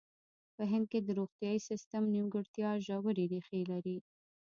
په هند کې د روغتیايي سیستم نیمګړتیا ژورې ریښې لري.